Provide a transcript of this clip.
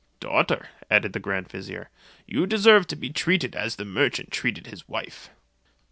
"Daughter," added the grand vizier, "you deserve to be treated as the merchant treated his wife."